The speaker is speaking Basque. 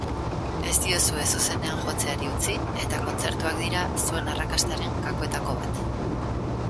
Ez diozue zuzenean jotzeari utzi, eta kontzertuak dira zuen arrakastaren gakoetako bat.